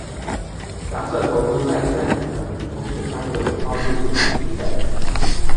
假设投资债券等无风险项目的回报率是已知的。